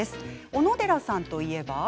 小野寺さんといえば。